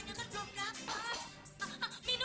masih gulang buat kamu